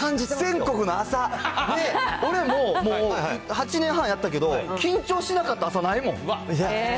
全国の朝、俺も８年半やったけど、緊張しなかった朝ないもん。